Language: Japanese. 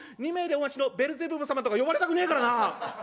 『２名でお待ちのベルゼブブ様！』とか呼ばれたくねえからな。